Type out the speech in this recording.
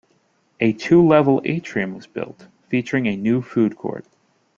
A two level atrium was built, featuring a new food court.